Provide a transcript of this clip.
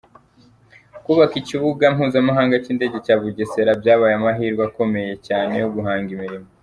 Kubaka Ikibuga Mpuzamahanga cy’Indege cya Bugesera byabaye amahirwe akomeye cyane yo guhanga imirimo.